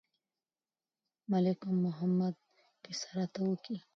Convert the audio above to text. ملک محمد قصه راته کوي.